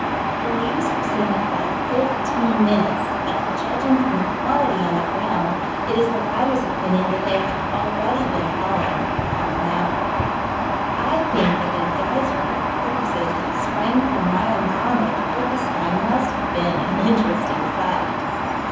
The leaves were seen to fall fifteen minutes, but, judging from the quantity on the ground, it is the writer's opinion that they had already been falling half an hour. I think that the geyser of corpses that sprang from Riobamba toward the sky must have been an interesting sight.